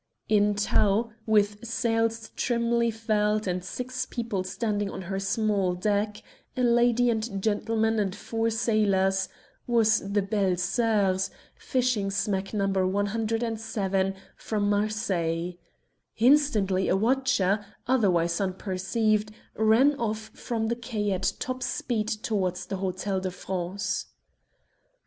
In tow, with sails trimly furled and six people standing on her small deck a lady and gentleman and four sailors was the Belles Soeurs, fishing smack No. 107, from Marseilles. Instantly a watcher, otherwise unperceived, ran off from the quay at top speed towards the Hotel de France.